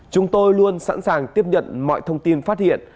chúng tôi luôn sẵn sàng tiếp nhận mọi thông tin phát hiện